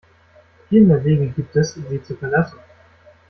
Viel mehr Wege gibt es, sie zu verlassen.